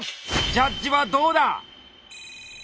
ジャッジはどうだ？